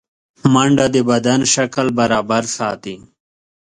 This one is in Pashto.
منډه د بدن شکل برابر ساتي